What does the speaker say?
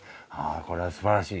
これはすばらしい。